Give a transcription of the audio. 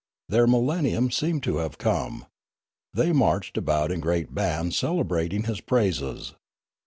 Their millennium seemed to have come. They marched about in great bands celebrating his praises.